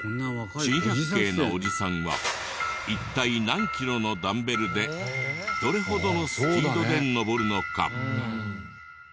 珍百景のおじさんは一体何キロのダンベルでどれほどのスピードで上るのか？